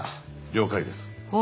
了解です。